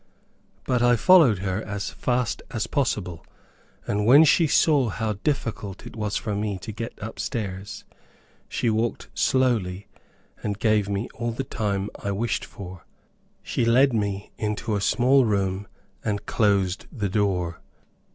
But I followed her as fast as possible, and when she saw how difficult it was for me to get up stairs, she walked slowly and gave me all the time I wished for. She led me into a small room and closed the door.